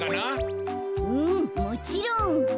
うんもちろん。